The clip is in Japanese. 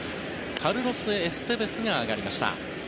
カルロス・エステベスが上がりました。